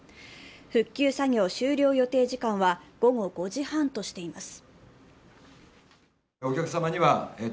復旧作業終了予定時間は午後５時半としています。